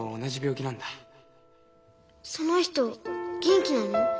その人元気なの？